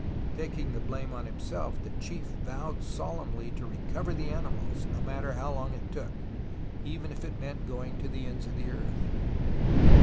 Taking the blame on himself, the chief vowed solemnly to recover the animals, no matter how long it took, even if it meant going to the ends of the earth.